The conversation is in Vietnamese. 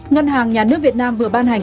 ngân hàng nhà nước việt nam vừa ban hành